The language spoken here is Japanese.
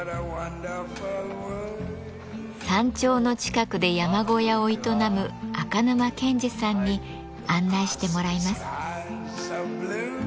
山頂の近くで山小屋を営む赤沼健至さんに案内してもらいます。